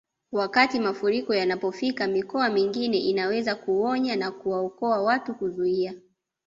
Wakati mafuriko yanapofika mikoa mingine inaweza kuonya na kuwaokoa watu kuzuia